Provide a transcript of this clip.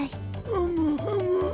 ふむふむ。